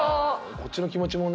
こっちの気持ちもね